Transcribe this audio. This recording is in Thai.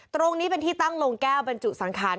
ตรงนี้เป็นที่ตั้งโรงแก้วบรรจุสังขาร